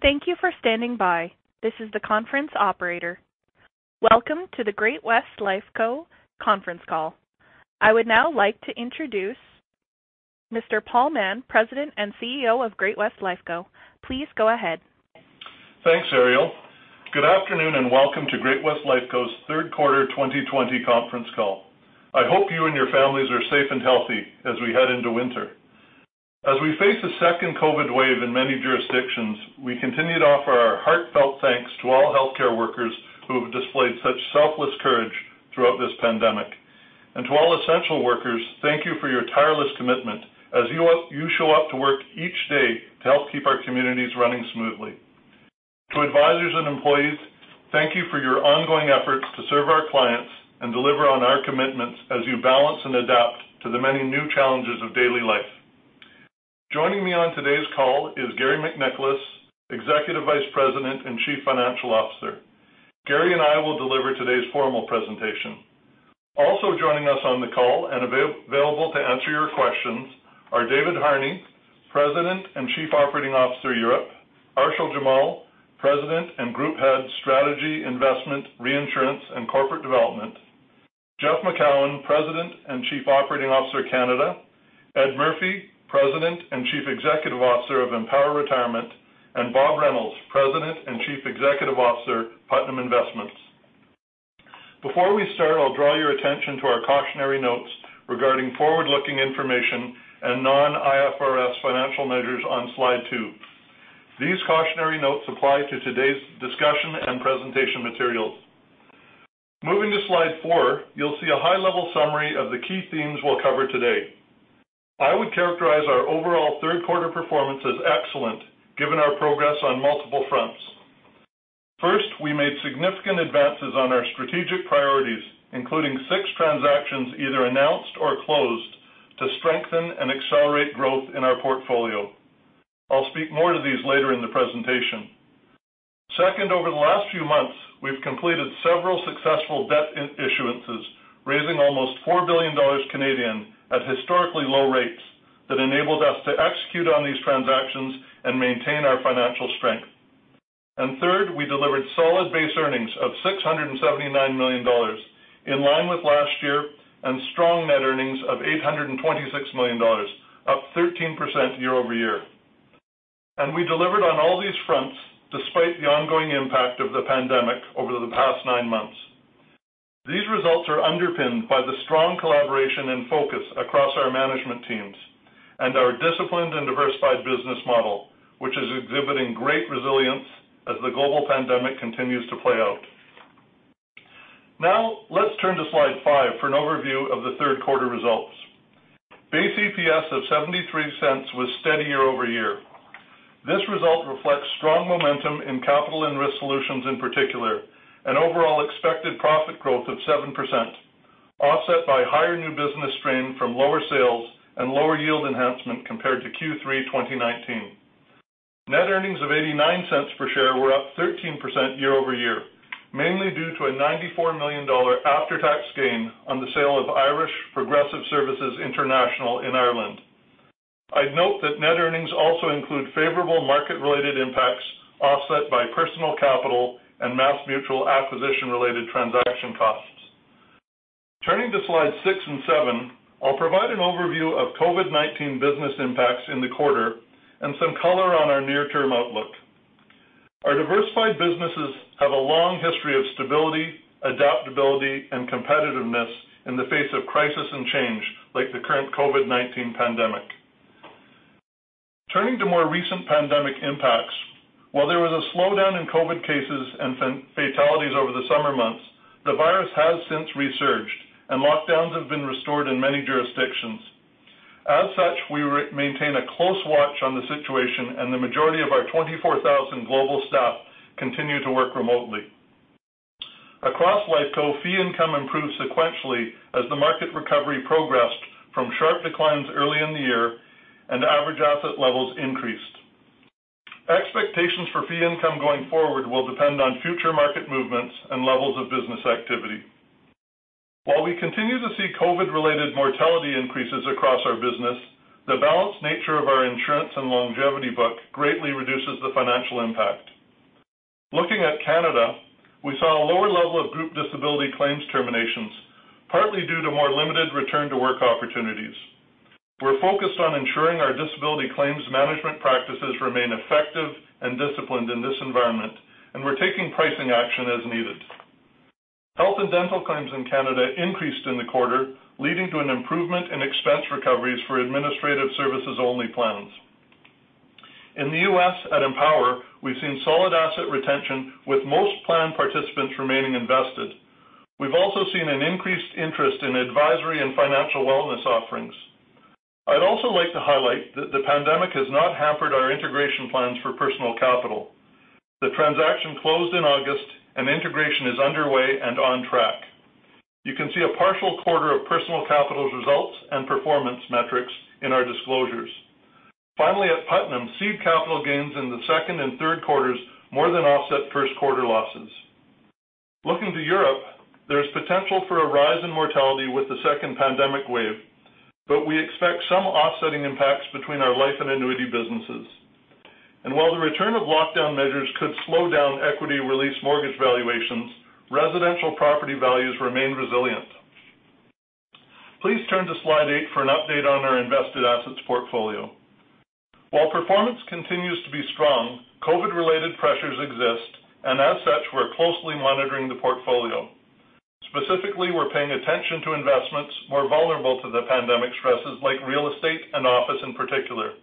Thank you for standing by. This is the conference operator. Welcome to the Great-West Lifeco conference call. I would now like to introduce Mr. Paul Mahon, President and CEO of Great-West Lifeco. Please go ahead. Thanks, Ariel. Good afternoon, welcome to Great-West Lifeco's third quarter 2020 conference call. I hope you and your families are safe and healthy as we head into winter. As we face a second COVID wave in many jurisdictions, we continue to offer our heartfelt thanks to all healthcare workers who have displayed such selfless courage throughout this pandemic. To all essential workers, thank you for your tireless commitment as you show up to work each day to help keep our communities running smoothly. To advisors and employees, thank you for your ongoing efforts to serve our clients and deliver on our commitments as you balance and adapt to the many new challenges of daily life. Joining me on today's call is Garry MacNicholas, Executive Vice President and Chief Financial Officer. Garry and I will deliver today's formal presentation. Also joining us on the call and available to answer your questions are David Harney, President and Chief Operating Officer, Europe; Arshil Jamal, President and Group Head, Strategy, Investments, Reinsurance, and Corporate Development; Jeff Macoun, President and Chief Operating Officer, Canada; Ed Murphy, President and Chief Executive Officer of Empower Retirement; and Bob Reynolds, President and Chief Executive Officer, Putnam Investments. Before we start, I'll draw your attention to our cautionary notes regarding forward-looking information and non-IFRS financial measures on slide two. These cautionary notes apply to today's discussion and presentation materials. Moving to slide four, you'll see a high-level summary of the key themes we'll cover today. I would characterize our overall third quarter performance as excellent given our progress on multiple fronts. First, we made significant advances on our strategic priorities, including six transactions either announced or closed to strengthen and accelerate growth in our portfolio. I'll speak more to these later in the presentation. Second, over the last few months, we've completed several successful debt issuances, raising almost 4 billion Canadian dollars at historically low rates that enabled us to execute on these transactions and maintain our financial strength. Third, we delivered solid base earnings of 679 million dollars, in line with last year, and strong net earnings of 826 million dollars, up 13% year-over-year. We delivered on all these fronts despite the ongoing impact of the pandemic over the past nine months. These results are underpinned by the strong collaboration and focus across our management teams and our disciplined and diversified business model, which is exhibiting great resilience as the global pandemic continues to play out. Now let's turn to slide five for an overview of the third quarter results. Base EPS of 0.73 was steady year-over-year. This result reflects strong momentum in Capital and Risk Solutions in particular, an overall expected profit growth of 7%, offset by higher new business strain from lower sales and lower yield enhancement compared to Q3 2019. Net earnings of 0.89 per share were up 13% year-over-year, mainly due to a 94 million dollar after-tax gain on the sale of Irish Progressive Services International in Ireland. I'd note that net earnings also include favorable market-related impacts offset by Personal Capital and MassMutual acquisition-related transaction costs. Turning to slides six and seven, I'll provide an overview of COVID-19 business impacts in the quarter and some color on our near-term outlook. Our diversified businesses have a long history of stability, adaptability, and competitiveness in the face of crisis and change, like the current COVID-19 pandemic. Turning to more recent pandemic impacts. While there was a slowdown in COVID cases and fatalities over the summer months, the virus has since resurged, and lockdowns have been restored in many jurisdictions. We maintain a close watch on the situation, and the majority of our 24,000 global staff continue to work remotely. Across Lifeco, fee income improved sequentially as the market recovery progressed from sharp declines early in the year and average asset levels increased. Expectations for fee income going forward will depend on future market movements and levels of business activity. While we continue to see COVID-related mortality increases across our business, the balanced nature of our insurance and longevity book greatly reduces the financial impact. Looking at Canada, we saw a lower level of group disability claims terminations, partly due to more limited return-to-work opportunities. We're focused on ensuring our disability claims management practices remain effective and disciplined in this environment, and we're taking pricing action as needed. Health and dental claims in Canada increased in the quarter, leading to an improvement in expense recoveries for Administrative Services Only plans. In the U.S. at Empower, we've seen solid asset retention, with most plan participants remaining invested. We've also seen an increased interest in advisory and financial wellness offerings. I'd also like to highlight that the pandemic has not hampered our integration plans for Personal Capital. The transaction closed in August, and integration is underway and on track. You can see a partial quarter of Personal Capital's results and performance metrics in our disclosures. Finally, at Putnam, seed capital gains in the second and third quarters more than offset first-quarter losses. Looking to Europe, there's potential for a rise in mortality with the second pandemic wave. We expect some offsetting impacts between our life and annuity businesses. While the return of lockdown measures could slow down equity release mortgage valuations, residential property values remain resilient. Please turn to slide eight for an update on our invested assets portfolio. While performance continues to be strong, COVID related pressures exist, and as such, we're closely monitoring the portfolio. Specifically, we're paying attention to investments more vulnerable to the pandemic stresses like real estate and office in particular.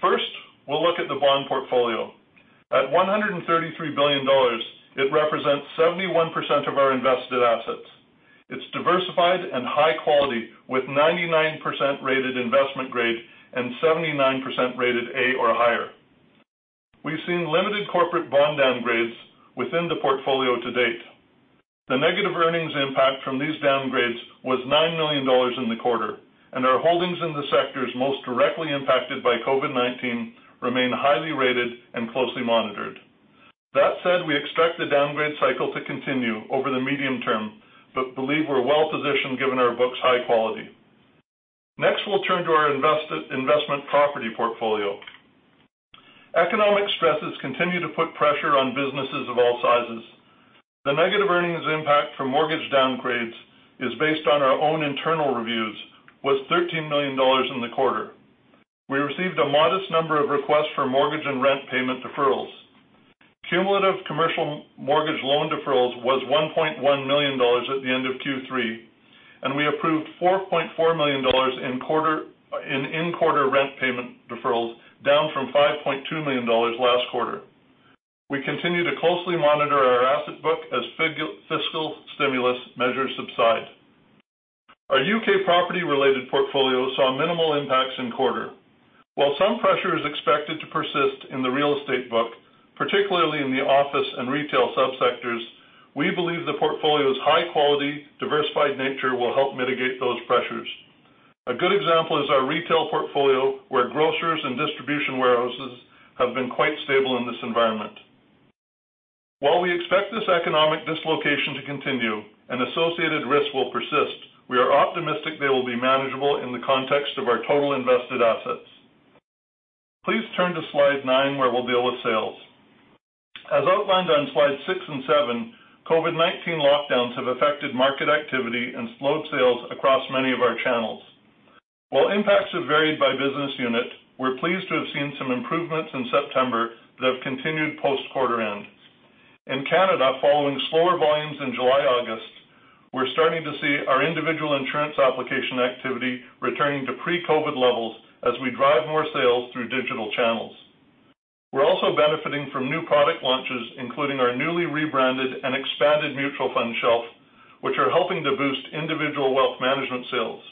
First, we'll look at the bond portfolio. At 133 billion dollars, it represents 71% of our invested assets. It's diversified and high quality with 99% rated investment grade and 79% rated A or higher. We've seen limited corporate bond downgrades within the portfolio to date. The negative earnings impact from these downgrades was 9 million dollars in the quarter, and our holdings in the sectors most directly impacted by COVID-19 remain highly rated and closely monitored. That said, we expect the downgrade cycle to continue over the medium term, but believe we're well positioned given our book's high quality. Next, we'll turn to our investment property portfolio. Economic stresses continue to put pressure on businesses of all sizes. The negative earnings impact from mortgage downgrades is based on our own internal reviews, was 13 million dollars in the quarter. We received a modest number of requests for mortgage and rent payment deferrals. Cumulative commercial mortgage loan deferrals was 1.1 million dollars at the end of Q3, and we approved 4.4 million dollars in in-quarter rent payment deferrals, down from 5.2 million dollars last quarter. We continue to closely monitor our asset book as fiscal stimulus measures subside. Our U.K. property related portfolio saw minimal impacts in quarter. While some pressure is expected to persist in the real estate book, particularly in the office and retail sub-sectors, we believe the portfolio's high quality, diversified nature will help mitigate those pressures. A good example is our retail portfolio, where grocers and distribution warehouses have been quite stable in this environment. While we expect this economic dislocation to continue and associated risks will persist, we are optimistic they will be manageable in the context of our total invested assets. Please turn to slide nine, where we'll deal with sales. As outlined on slides six and seven, COVID-19 lockdowns have affected market activity and slowed sales across many of our channels. While impacts have varied by business unit, we're pleased to have seen some improvements in September that have continued post quarter end. In Canada, following slower volumes in July, August, we're starting to see our individual insurance application activity returning to pre-COVID levels as we drive more sales through digital channels. We're also benefiting from new product launches, including our newly rebranded and expanded mutual fund shelf, which are helping to boost individual wealth management sales.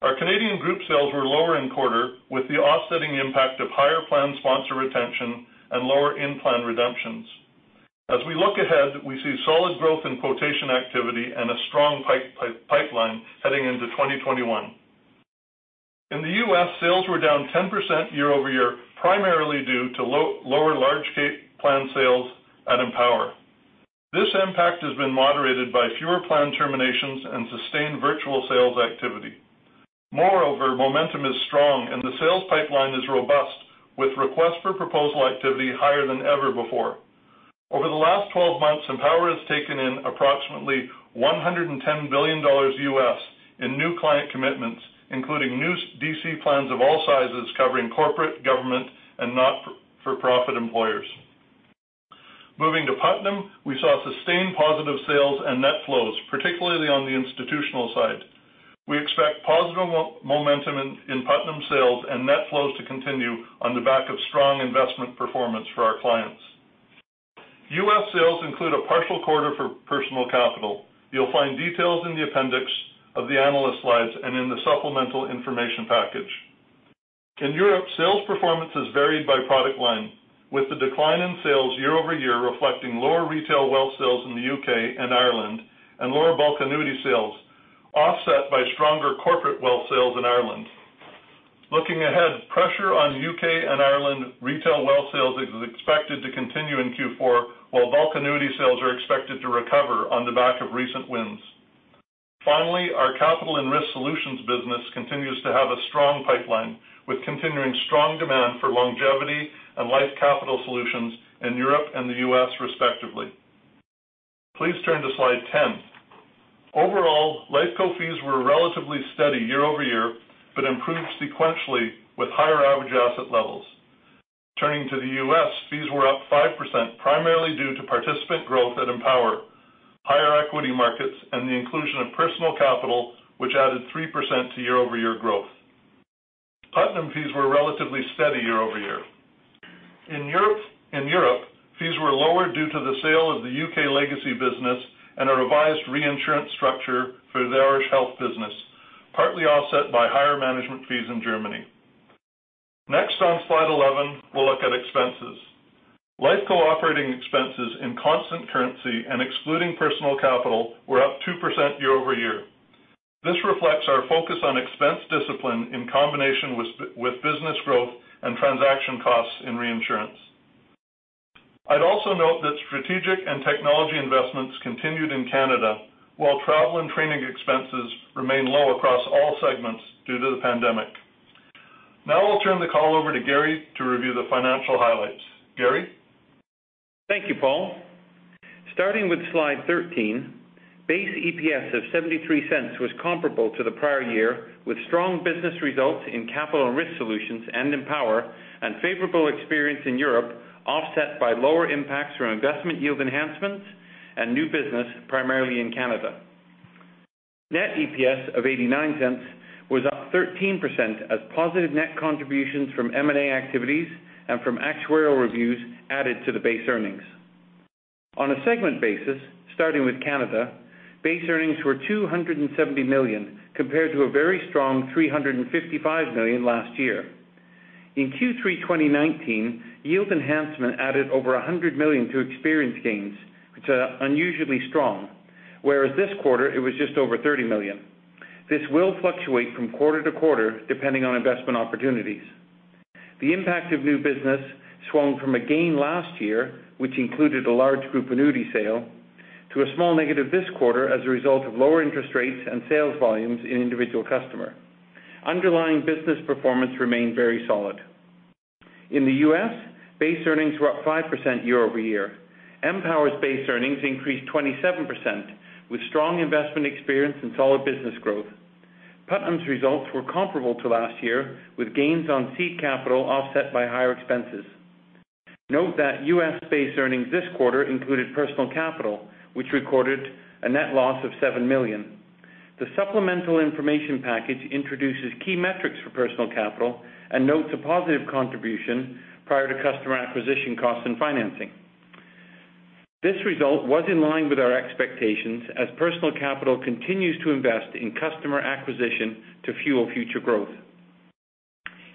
Our Canadian group sales were lower in quarter, with the offsetting impact of higher plan sponsor retention and lower in-plan redemptions. As we look ahead, we see solid growth in quotation activity and a strong pipeline heading into 2021. In the U.S., sales were down 10% year-over-year, primarily due to lower large cap plan sales at Empower. This impact has been moderated by fewer plan terminations and sustained virtual sales activity. Momentum is strong and the sales pipeline is robust with request for proposal activity higher than ever before. Over the last 12 months, Empower has taken in approximately 110 billion dollars in new client commitments, including new DC plans of all sizes covering corporate, government, and not-for-profit employers. Moving to Putnam, we saw sustained positive sales and net flows, particularly on the institutional side. We expect positive momentum in Putnam sales and net flows to continue on the back of strong investment performance for our clients. U.S. sales include a partial quarter for Personal Capital. You'll find details in the appendix of the analyst slides and in the supplemental information package. In Europe, sales performance is varied by product line, with the decline in sales year-over-year reflecting lower retail wealth sales in the U.K. and Ireland and lower bulk annuity sales offset by stronger corporate wealth sales in Ireland. Looking ahead, pressure on U.K. and Ireland retail wealth sales is expected to continue in Q4, while bulk annuity sales are expected to recover on the back of recent wins. Finally, our Capital and Risk Solutions business continues to have a strong pipeline with continuing strong demand for longevity and life capital solutions in Europe and the U.S. respectively. Please turn to slide 10. Overall, Lifeco fees were relatively steady year-over-year but improved sequentially with higher average asset levels. Turning to the U.S., fees were up 5%, primarily due to participant growth at Empower, higher equity markets, and the inclusion of Personal Capital, which added 3% to year-over-year growth. Putnam fees were relatively steady year-over-year. In Europe, fees were lower due to the sale of the U.K. legacy business and a revised reinsurance structure for the Irish health business, partly offset by higher management fees in Germany. Next on slide 11, we'll look at expenses. Lifeco operating expenses in constant currency and excluding Personal Capital were up 2% year-over-year. This reflects our focus on expense discipline in combination with business growth and transaction costs in reinsurance. I'd also note that strategic and technology investments continued in Canada, while travel and training expenses remain low across all segments due to the pandemic. Now I'll turn the call over to Garry to review the financial highlights. Garry? Thank you, Paul. Starting with slide 13, base EPS of 0.73 was comparable to the prior year, with strong business results in Capital and Risk Solutions and Empower, and favorable experience in Europe, offset by lower impacts from investment yield enhancements and new business, primarily in Canada. Net EPS of 0.89 was up 13% as positive net contributions from M&A activities and from actuarial reviews added to the base earnings. On a segment basis, starting with Canada, base earnings were 270 million compared to a very strong 355 million last year. In Q3 2019, yield enhancement added over 100 million to experience gains, which are unusually strong, whereas this quarter it was just over 30 million. This will fluctuate from quarter to quarter depending on investment opportunities. The impact of new business swung from a gain last year, which included a large group annuity sale, to a small negative this quarter as a result of lower interest rates and sales volumes in individual customer. Underlying business performance remained very solid. In the U.S., base earnings were up 5% year-over-year. Empower's base earnings increased 27%, with strong investment experience and solid business growth. Putnam's results were comparable to last year, with gains on seed capital offset by higher expenses. Note that U.S. base earnings this quarter included Personal Capital, which recorded a net loss of 7 million. The supplemental information package introduces key metrics for Personal Capital and notes a positive contribution prior to customer acquisition costs and financing. This result was in line with our expectations as Personal Capital continues to invest in customer acquisition to fuel future growth.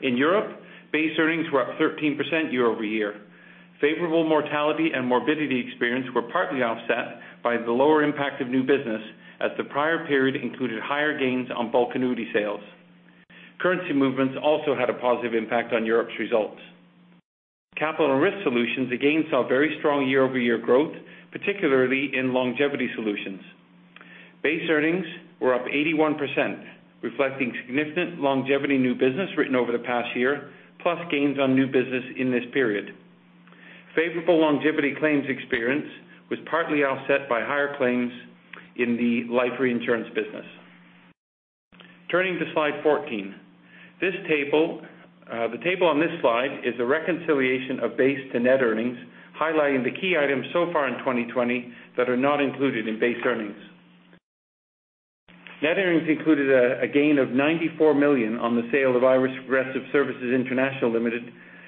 In Europe, base earnings were up 13% year-over-year. Favorable mortality and morbidity experience were partly offset by the lower impact of new business, as the prior period included higher gains on bulk annuity sales. Currency movements also had a positive impact on Europe's results. Capital and Risk Solutions again saw very strong year-over-year growth, particularly in longevity solutions. Base earnings were up 81%, reflecting significant longevity new business written over the past year, plus gains on new business in this period. Favorable longevity claims experience was partly offset by higher claims in the life reinsurance business. Turning to slide 14. The table on this slide is a reconciliation of base to net earnings, highlighting the key items so far in 2020 that are not included in base earnings. Net earnings included a gain of CAD 94 million on the sale of Irish Progressive Services International Limited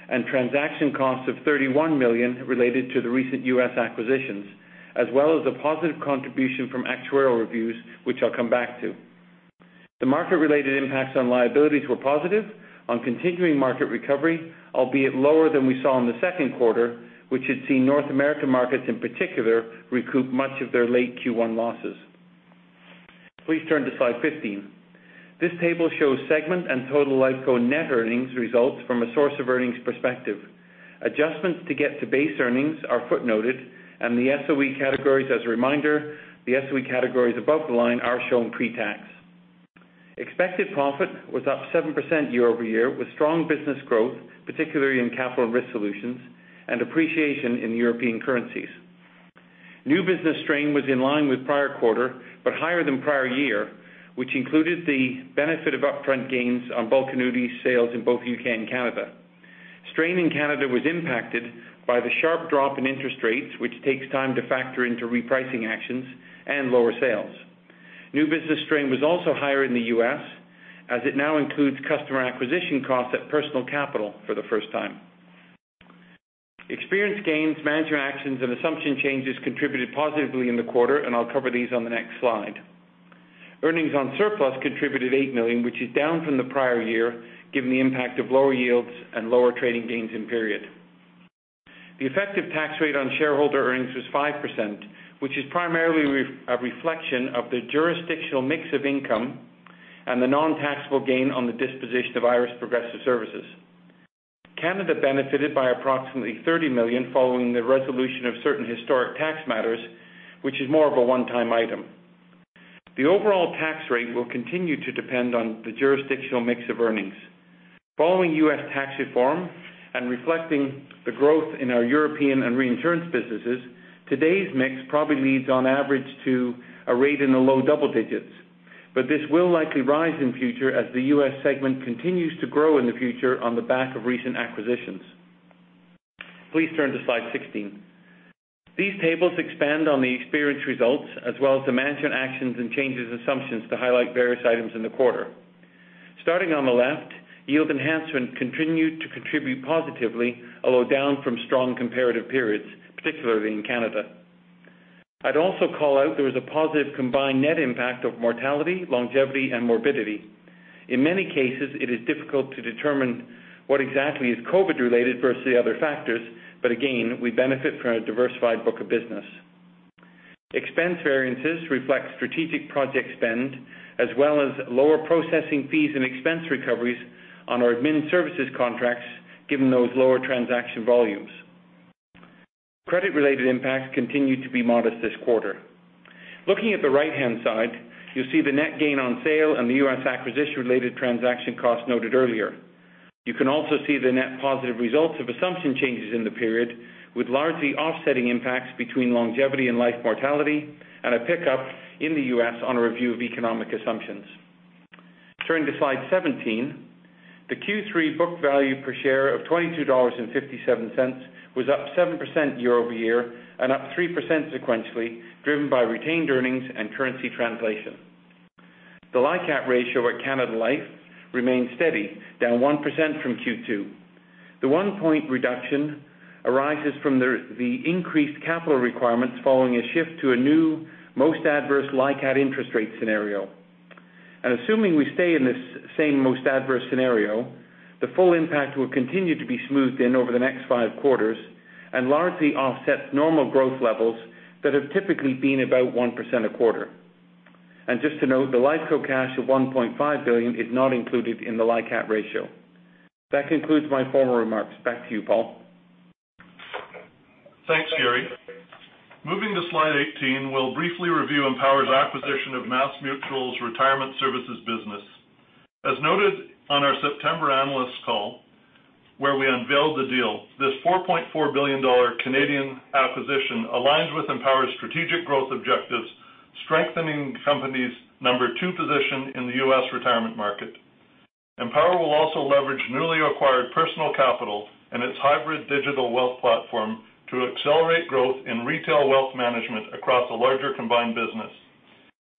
and transaction costs of CAD 31 million related to the recent U.S. acquisitions, as well as a positive contribution from actuarial reviews, which I'll come back to. The market-related impacts on liabilities were positive on continuing market recovery, albeit lower than we saw in the second quarter, which had seen North American markets in particular recoup much of their late Q1 losses. Please turn to slide 15. This table shows segment and total Lifeco net earnings results from a source of earnings perspective. Adjustments to get to base earnings are footnoted, as a reminder, the SOE categories above the line are shown pre-tax. Expected profit was up 7% year-over-year with strong business growth, particularly in Capital and Risk Solutions, and appreciation in European currencies. New business strain was in line with the prior quarter, but higher than the prior year, which included the benefit of upfront gains on bulk annuity sales in both U.K. and Canada. Strain in Canada was impacted by the sharp drop in interest rates, which takes time to factor into repricing actions and lower sales. New business strain was also higher in the U.S., as it now includes customer acquisition costs at Personal Capital for the first time. Experience gains, management actions, and assumption changes contributed positively in the quarter, and I'll cover these on the next slide. Earnings on surplus contributed 8 million, which is down from the prior year given the impact of lower yields and lower trading gains in the period. The effective tax rate on shareholder earnings was 5%, which is primarily a reflection of the jurisdictional mix of income and the non-taxable gain on the disposition of Irish Progressive Services. Canada benefited by approximately 30 million following the resolution of certain historic tax matters, which is more of a one-time item. The overall tax rate will continue to depend on the jurisdictional mix of earnings. Following U.S. tax reform and reflecting the growth in our European and reinsurance businesses, today's mix probably leads on average to a rate in the low double digits, but this will likely rise in future as the U.S. segment continues to grow in the future on the back of recent acquisitions. Please turn to slide 16. These tables expand on the experience results as well as the management actions and changes in assumptions to highlight various items in the quarter. Starting on the left, yield enhancement continued to contribute positively, although down from strong comparative periods, particularly in Canada. I'd also call out there was a positive combined net impact of mortality, longevity, and morbidity. In many cases, it is difficult to determine what exactly is COVID-19 related versus the other factors. Again, we benefit from a diversified book of business. Expense variances reflect strategic project spend, as well as lower processing fees and expense recoveries on our admin services contracts, given those lower transaction volumes. Credit related impacts continued to be modest this quarter. Looking at the right-hand side, you'll see the net gain on sale and the U.S. acquisition related transaction cost noted earlier. You can also see the net positive results of assumption changes in the period, with largely offsetting impacts between longevity and life mortality, and a pickup in the U.S. on a review of economic assumptions. Turning to slide 17, the Q3 book value per share of 22.57 dollars was up 7% year-over-year and up 3% sequentially, driven by retained earnings and currency translation. The LICAT ratio at Canada Life remained steady, down 1% from Q2. The one point reduction arises from the increased capital requirements following a shift to a new most adverse LICAT interest rate scenario. Assuming we stay in this same most adverse scenario, the full impact will continue to be smoothed in over the next five quarters and largely offset normal growth levels that have typically been about 1% a quarter. Just to note, the Lifeco cash of 1.5 billion is not included in the LICAT ratio. That concludes my formal remarks. Back to you, Paul. Thanks, Garry. Moving to slide 18, we'll briefly review Empower's acquisition of MassMutual's retirement services business. As noted on our September analyst call, where we unveiled the deal, this 4.4 billion Canadian dollars acquisition aligns with Empower's strategic growth objectives, strengthening the company's number two position in the U.S. retirement market. Empower will also leverage newly acquired Personal Capital and its hybrid digital wealth platform to accelerate growth in retail wealth management across a larger combined business.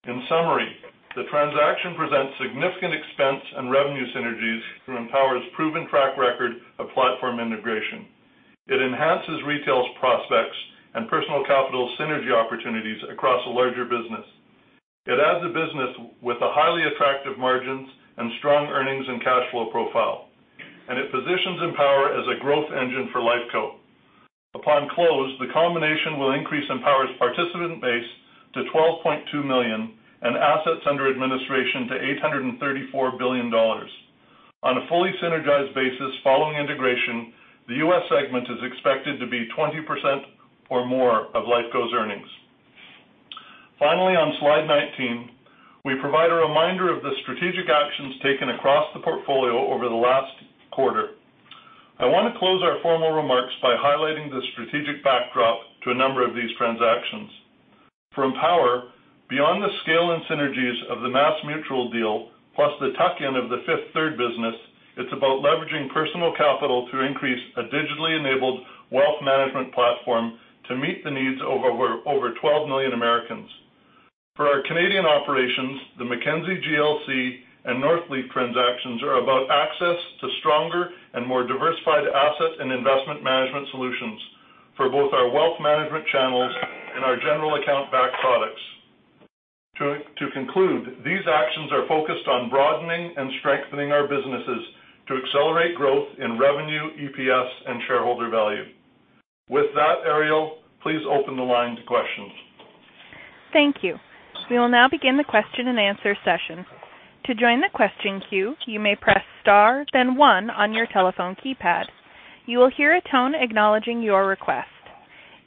In summary, the transaction presents significant expense and revenue synergies through Empower's proven track record of platform integration. It enhances retail's prospects and Personal Capital synergy opportunities across a larger business. It adds a business with highly attractive margins and strong earnings and cash flow profile. It positions Empower as a growth engine for Lifeco. Upon close, the combination will increase Empower's participant base to 12.2 million and assets under administration to 834 billion dollars. On a fully synergized basis following integration, the U.S. segment is expected to be 20% or more of Lifeco's earnings. On slide 19, we provide a reminder of the strategic actions taken across the portfolio over the last quarter. I want to close our formal remarks by highlighting the strategic backdrop to a number of these transactions. For Empower, beyond the scale and synergies of the MassMutual deal, plus the tuck-in of the Fifth Third business, it's about leveraging Personal Capital to increase a digitally enabled wealth management platform to meet the needs of over 12 million Americans. For our Canadian operations, the Mackenzie GLC and Northleaf transactions are about access to stronger and more diversified asset and investment management solutions for both our wealth management channels and our general account-backed products. To conclude, these actions are focused on broadening and strengthening our businesses to accelerate growth in revenue, EPS, and shareholder value. With that, Ariel, please open the line to questions. Thank you, we will now begin the question and answer session. To join the question queue, you may press star then one on your telephone keypad, you will hear a tone acknowledging your request.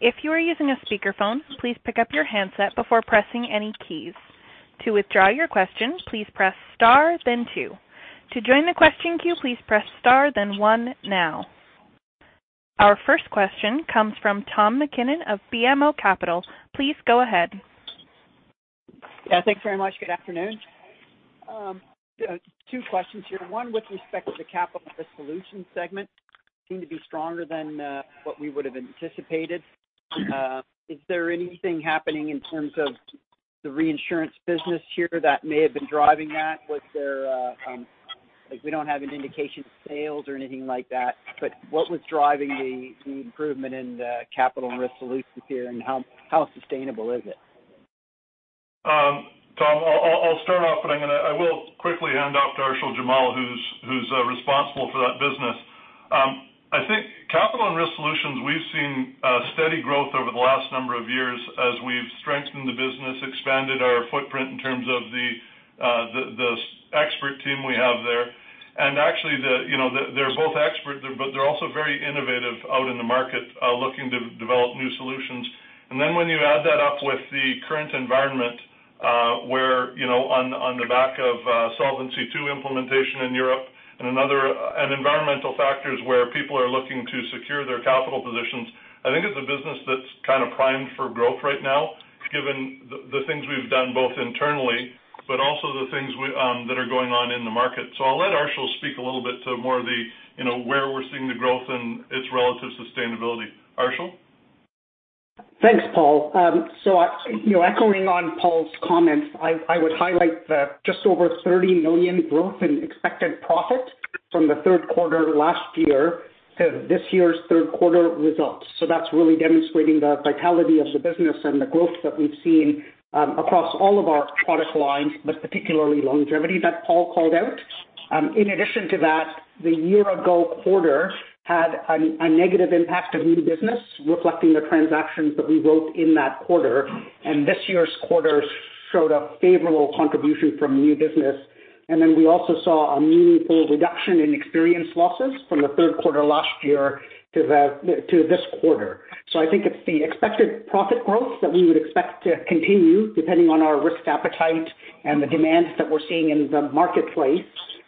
If you are using a speaker phone, please pick up your handset before pressing any keys. To withdraw your question, please press star then two. To join the question queue, please press star then one now. Our first question comes from Tom MacKinnon of BMO Capital. Please go ahead. Yeah, thanks very much. Good afternoon. Two questions here. One with respect to the Capital and Risk Solutions segment, seemed to be stronger than what we would have anticipated. Is there anything happening in terms of the reinsurance business here that may have been driving that? We don't have an indication of sales or anything like that. What was driving the improvement in the Capital and Risk Solutions here, and how sustainable is it? Tom, I'll start off, but I will quickly hand off to Arshil Jamal, who's responsible for that business. I think Capital and Risk Solutions, we've seen steady growth over the last number of years as we've strengthened the business, expanded our footprint in terms of the expert team we have there. Actually, they're both expert, but they're also very innovative out in the market, looking to develop new solutions. When you add that up with the current environment, where on the back of Solvency II implementation in Europe and environmental factors where people are looking to secure their capital positions, I think it's a business that's kind of primed for growth right now, given the things we've done both internally, but also the things that are going on in the market. I'll let Arshil speak a little bit to more of where we're seeing the growth and its relative sustainability. Arshil? Thanks, Paul. Echoing on Paul's comments, I would highlight the just over 30 million growth in expected profit from the third quarter last year to this year's third quarter results. That's really demonstrating the vitality of the business and the growth that we've seen across all of our product lines, but particularly longevity that Paul called out. In addition to that, the year-ago quarter had a negative impact of new business, reflecting the transactions that we wrote in that quarter. This year's quarter showed a favorable contribution from new business. We also saw a meaningful reduction in experience losses from the third quarter last year to this quarter. I think it's the expected profit growth that we would expect to continue depending on our risk appetite and the demands that we're seeing in the marketplace.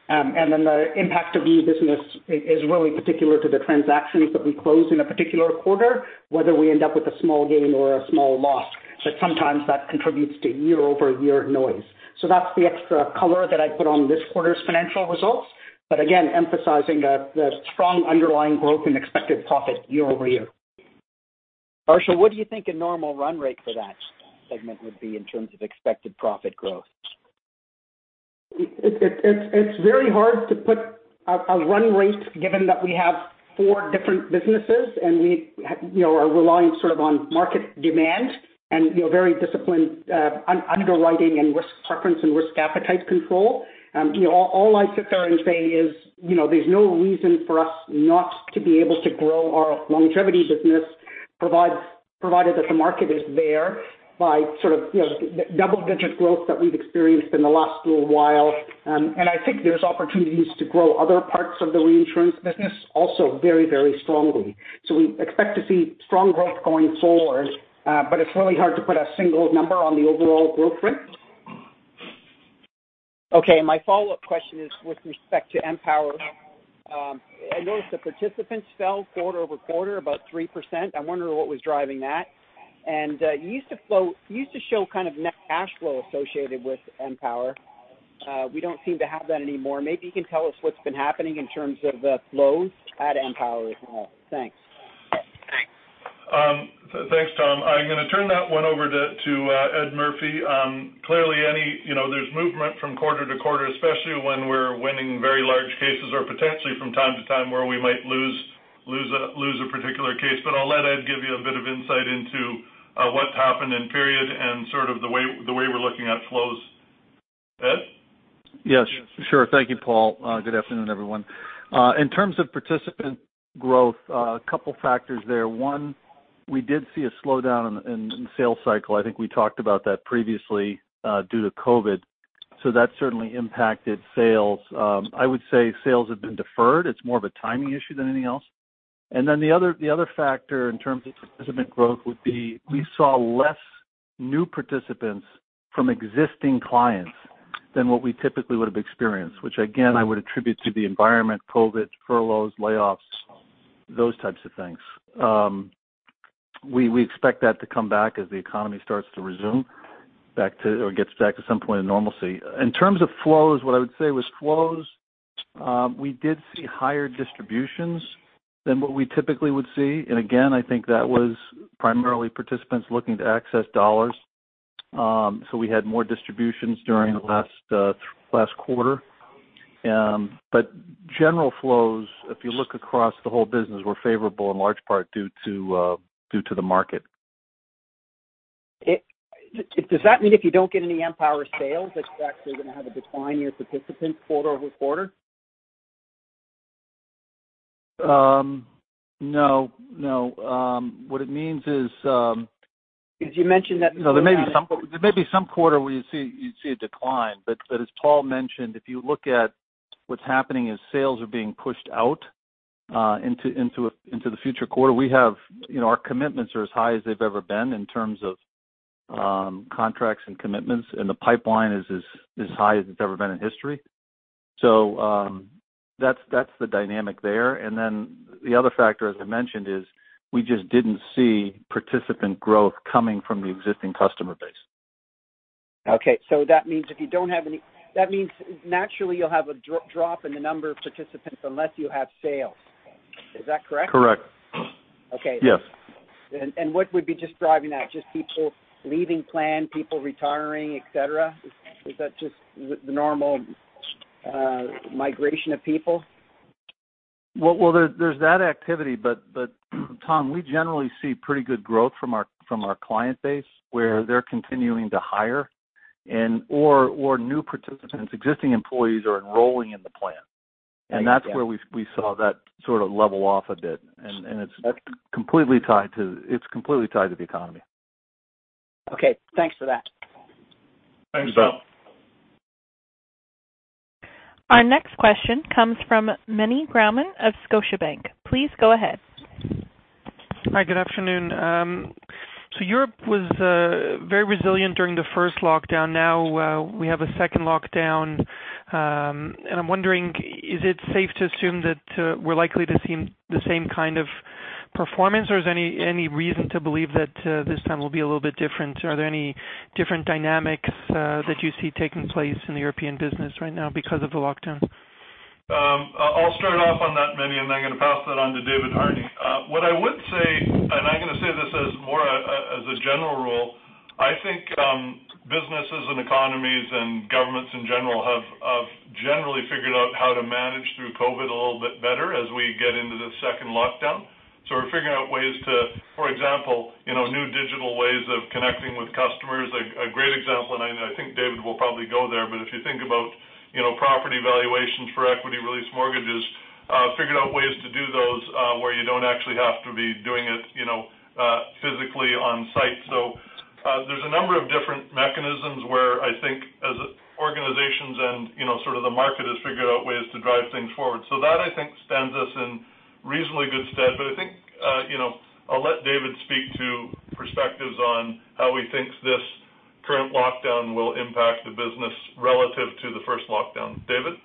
The impact of new business is really particular to the transactions that we close in a particular quarter, whether we end up with a small gain or a small loss. Sometimes that contributes to year-over-year noise. That's the extra color that I'd put on this quarter's financial results. Again, emphasizing the strong underlying growth in expected profit year-over-year. Arshil, what do you think a normal run rate for that segment would be in terms of expected profit growth? It's very hard to put a run rate given that we have four different businesses and we are reliant on market demand and very disciplined underwriting and risk preference and risk appetite control. All I'd sit there and say is, there's no reason for us not to be able to grow our longevity business, provided that the market is there by double-digit growth that we've experienced in the last little while. I think there's opportunities to grow other parts of the reinsurance business also very, very strongly. We expect to see strong growth going forward, but it's really hard to put a single number on the overall growth rate. Okay, my follow-up question is with respect to Empower. I notice the participants fell quarter-over-quarter about 3%. I wonder what was driving that. You used to show net cash flow associated with Empower. We don't seem to have that anymore. Maybe you can tell us what's been happening in terms of the flows at Empower as well. Thanks. Thanks, Tom. I'm going to turn that one over to Ed Murphy. Clearly, there's movement from quarter to quarter, especially when we're winning very large cases or potentially from time to time where we might lose a particular case. I'll let Ed give you a bit of insight into what's happened in period and the way we're looking at flows. Ed? Yes, sure. Thank you, Paul. Good afternoon, everyone. In terms of participant growth, a couple of factors there. One, we did see a slowdown in sales cycle. I think we talked about that previously, due to COVID. That certainly impacted sales. I would say sales have been deferred. It is more of a timing issue than anything else. The other factor in terms of participant growth would be we saw less new participants from existing clients than what we typically would have experienced, which again, I would attribute to the environment, COVID, furloughs, layoffs, those types of things. We expect that to come back as the economy starts to resume or gets back to some point of normalcy. In terms of flows, what I would say with flows, we did see higher distributions than what we typically would see. I think that was primarily participants looking to access dollars. We had more distributions during the last quarter. General flows, if you look across the whole business, were favorable in large part due to the market. Does that mean if you don't get any Empower sales, that you're actually going to have a decline in your participants quarter-over-quarter? No. Because you mentioned that. There may be some quarter where you'd see a decline, as Paul mentioned, if you look at what's happening as sales are being pushed out into the future quarter, our commitments are as high as they've ever been in terms of contracts and commitments, and the pipeline is as high as it's ever been in history. That's the dynamic there. The other factor, as I mentioned, is we just didn't see participant growth coming from the existing customer base. Okay. That means naturally you'll have a drop in the number of participants unless you have sales. Is that correct? Correct. Okay. Yes. What would be just driving that? Just people leaving plan, people retiring, et cetera? Is that just the normal migration of people? Well, there's that activity. Tom, we generally see pretty good growth from our client base where they're continuing to hire or new participants, existing employees are enrolling in the plan. That's where we saw that sort of level off a bit, and it's completely tied to the economy. Okay, thanks for that. Thanks, Tom. You're welcome. Our next question comes from Meny Grauman of Scotiabank. Please go ahead. Hi, good afternoon. Europe was very resilient during the first lockdown. Now we have a second lockdown. I'm wondering, is it safe to assume that we're likely to see the same kind of performance, or is there any reason to believe that this time will be a little bit different? Are there any different dynamics that you see taking place in the European business right now because of the lockdown? I'll start off on that, Meny, and then I'm going to pass that on to David Harney. What I would say, I'm going to say this as more as a general rule, I think businesses and economies and governments in general have generally figured out how to manage through COVID a little bit better as we get into this second lockdown. We're figuring out ways to, for example, new digital ways of connecting with customers. A great example, I think David will probably go there, but if you think about property valuations for equity release mortgages figured out ways to do those where you don't actually have to be doing it physically on site. There's a number of different mechanisms where I think as organizations and sort of the market has figured out ways to drive things forward. That I think stands us in reasonably good stead. I think I'll let David speak to perspectives on how he thinks this current lockdown will impact the business relative to the first lockdown. David?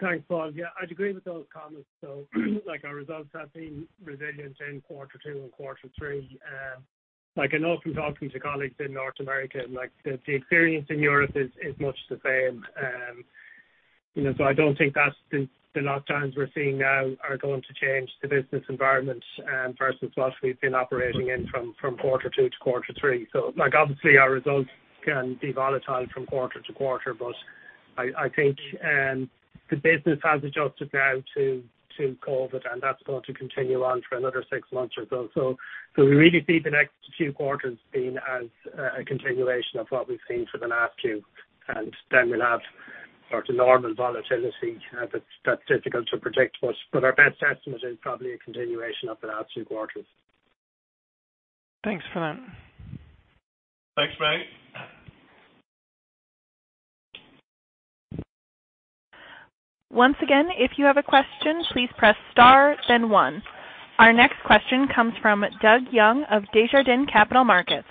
Thanks, Paul. I'd agree with those comments, though. Our results have been resilient in Q2 and Q3. I know from talking to colleagues in North America, the experience in Europe is much the same. I don't think that the lockdowns we're seeing now are going to change the business environment versus what we've been operating in from Q2 to Q3. Obviously our results can be volatile from quarter to quarter, but I think the business has adjusted now to COVID, and that's going to continue on for another six months or so. We really see the next few quarters being as a continuation of what we've seen for the last two, and then we'll have sort of normal volatility that's difficult to predict. Our best estimate is probably a continuation of the last two quarters. Thanks for that. Thanks, Meny. Once again, if you have a question, please press star then one. Our next question comes from Doug Young of Desjardins Capital Markets.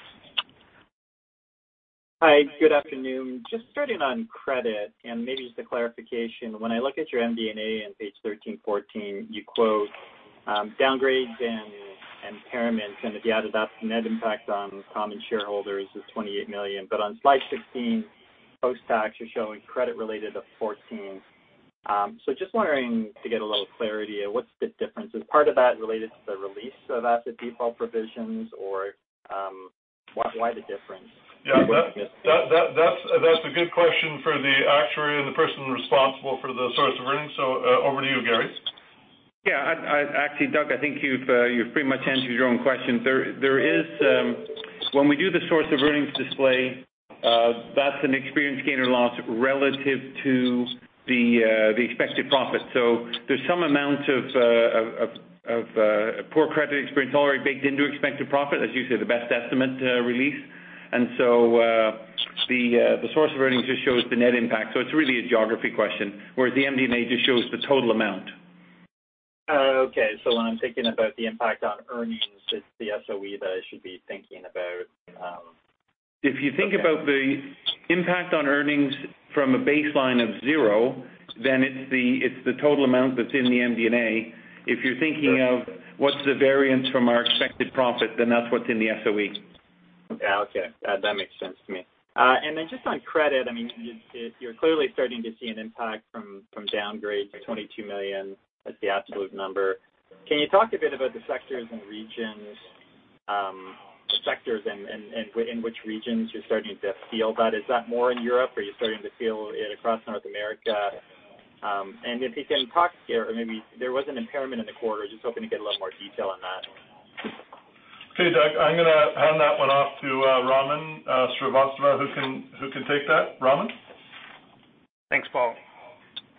Hi. Good afternoon. Just starting on credit, maybe just a clarification. When I look at your MD&A on page 13, 14, you quote downgrades and impairments, if you added up the net impact on common shareholders is 28 million. On slide 16, post-tax you're showing credit related of 14. Just wondering to get a little clarity on what's the difference. Is part of that related to the release of asset default provisions or why the difference? Yeah. That's a good question for the actuary and the person responsible for the source of earnings. Over to you, Garry. Yeah. Actually, Doug, I think you've pretty much answered your own question. When we do the source of earnings display, that's an experience gain or loss relative to the expected profit. There's some amount of poor credit experience already baked into expected profit, as you say, the best estimate release. The source of earnings just shows the net impact. It's really a geography question, whereas the MD&A just shows the total amount. Okay. When I'm thinking about the impact on earnings, it's the SOE that I should be thinking about. If you think about the impact on earnings from a baseline of zero, then it's the total amount that's in the MD&A. If you're thinking of what's the variance from our expected profit, then that's what's in the SOE. Okay. That makes sense to me. Just on credit, you're clearly starting to see an impact from downgrades, 22 million as the absolute number. Can you talk a bit about the sectors and in which regions you're starting to feel that? Is that more in Europe? Are you starting to feel it across North America? If you can talk, or maybe there was an impairment in the quarter, just hoping to get a little more detail on that. Okay, Doug, I'm going to hand that one off to Raman Srivastava, who can take that. Raman? Thanks, Paul,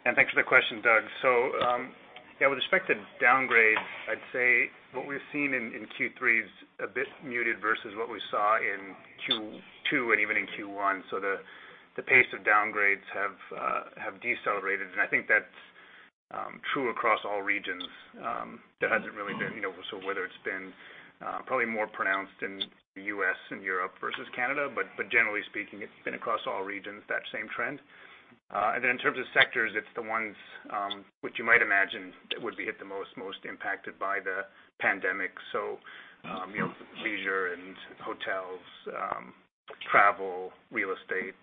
and thanks for the question, Doug. with respect to downgrades, I'd say what we've seen in Q3 is a bit muted versus what we saw in Q2 and even in Q1. The pace of downgrades have decelerated, and I think that's true across all regions. whether it's been probably more pronounced in the U.S. and Europe versus Canada, but generally speaking, it's been across all regions, that same trend. in terms of sectors, it's the ones which you might imagine would be hit the most impacted by the pandemic. leisure and hotels, travel, real estate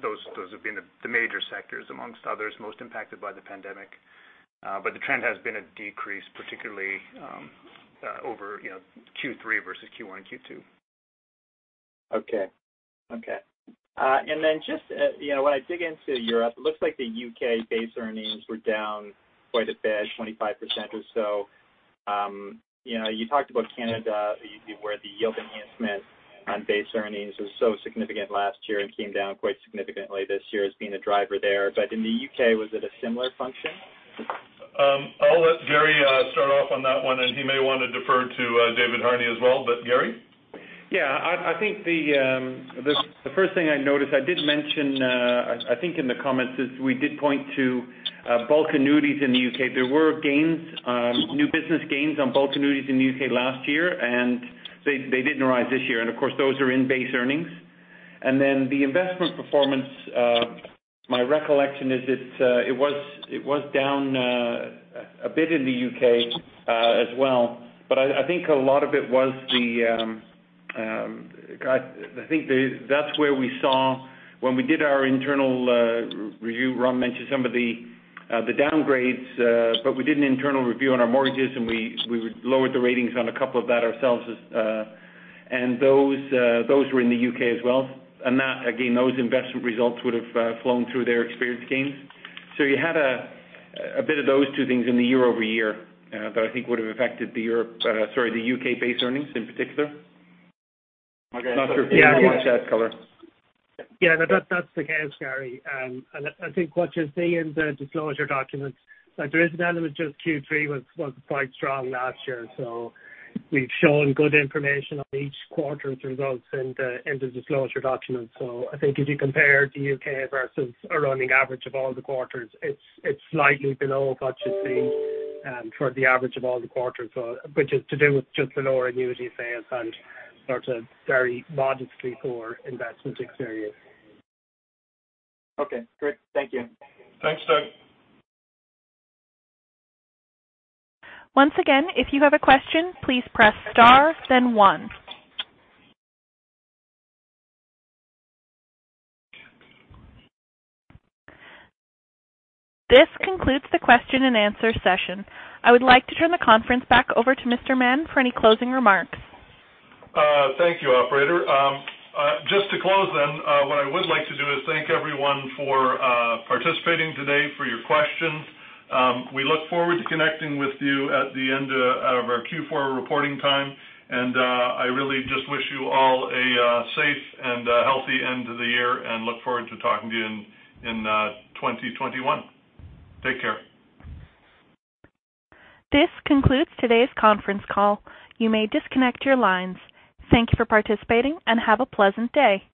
those have been the major sectors amongst others most impacted by the pandemic. The trend has been a decrease, particularly over Q3 versus Q1 and Q2. Okay. Just when I dig into Europe, it looks like the U.K. base earnings were down quite a bit, 25% or so. You talked about Canada, where the yield enhancement on base earnings was so significant last year and came down quite significantly this year as being a driver there. In the U.K., was it a similar function? I'll let Garry start off on that one, and he may want to defer to David Harney as well, but Garry? I think the first thing I noticed, I did mention, I think in the comments, is we did point to bulk annuities in the U.K. There were new business gains on bulk annuities in the U.K. last year. They didn't rise this year. Of course, those are in base earnings. Then the investment performance my recollection is it was down a bit in the U.K. as well. I think a lot of it was I think that's where we saw when we did our internal review, Raman mentioned some of the downgrades. We did an internal review on our mortgages, and we lowered the ratings on a couple of that ourselves. Those were in the U.K. as well. Again, those investment results would have flown through their experience gains. You had a bit of those two things in the year-over-year that I think would have affected the Europe, sorry, the U.K. base earnings in particular. I'm not sure if you want to add color. Yeah, that's the case, Garry. I think what you'll see in the disclosure documents, there is an element, just Q3 was quite strong last year, so we've shown good information on each quarter's results in the disclosure document. I think if you compare the U.K. versus a running average of all the quarters, it's slightly below what you'd see for the average of all the quarters, which is to do with just the lower annuity sales and sort of very modestly poor investment experience. Okay, great. Thank you. Thanks, Doug. Once again, if you have a question, please press star, then one. This concludes the question and answer session. I would like to turn the conference back over to Mr. Mahon for any closing remarks. Thank you, operator. Just to close, what I would like to do is thank everyone for participating today, for your questions. We look forward to connecting with you at the end of our Q4 reporting time. I really just wish you all a safe and healthy end to the year and look forward to talking to you in 2021. Take care. This concludes today's conference call. You may disconnect your lines. Thank you for participating and have a pleasant day.